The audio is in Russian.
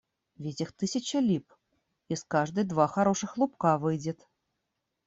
Ведь их тысяча лип, из каждой два хороших лубка выйдет.